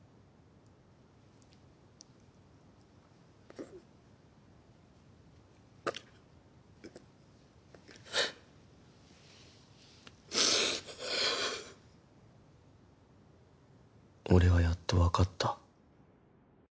うっうぅ俺はやっとわかった。